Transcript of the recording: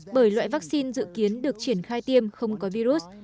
bởi loại vaccine dự kiến được triển khai tiêm không có virus